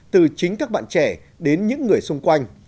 từ chính các bạn trẻ đến các bạn trẻ